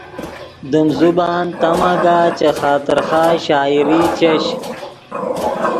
دیم زبان تا مگاہ چے خاطر خواہ شاعری چش